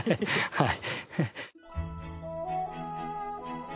はい。